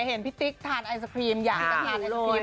เห็นพี่ติ๊กทานไอศครีมอย่างกันเลย